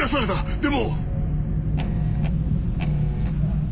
でも。